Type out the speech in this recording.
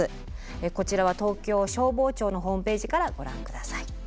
こちらは東京消防庁のホームページからご覧下さい。